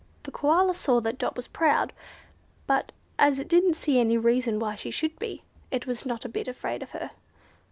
The Koala saw that Dot was proud, but as it didn't see any reason why she should be, it was not a bit afraid of her.